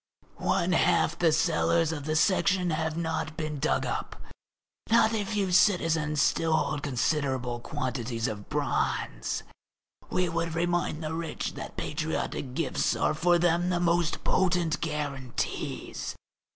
One half the cellars of the Section have not been dug up. Not a few citizens still hold considerable quantities of bronze. We would remind the rich that patriotic gifts are for them the most potent guarantees.